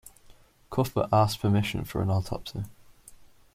Cuthbert asked permission for an autopsy.